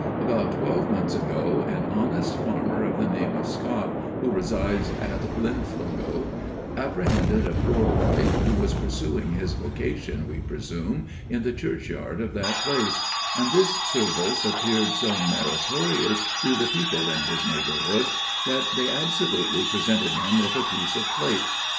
About twelve months ago an honest farmer of the name of Scott, who resides at Linlithgow, apprehended a poor wight who was pursuing his vocation, we presume, in the churchyard of that place; and this service appeared so meritorious to the people in his neighborhood, that they absolutely presented him with a piece of plate.